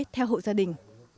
theo hộ gia đình